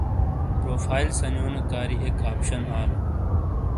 پروفائل سَنیونو کاری اک اپشن آلو۔